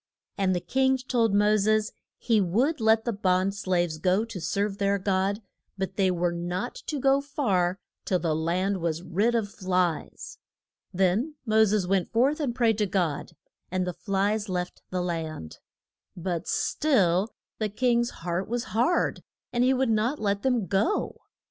And the king told Mo ses he would let the bond slaves go to serve their God, but they were not to go far till the land was rid of flies. Then Mo ses went forth and prayed to God, and the flies left the land. But still the king's heart was hard, and he would not let them go.